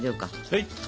はい！